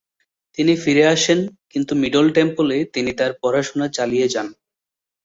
তিনি ফিরে আসেন কিন্তু মিডল টেম্পলে তিনি তার পড়াশোনা চালিয়ে যান।